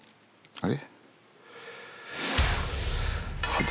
あれ？